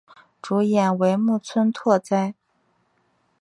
主演为木村拓哉。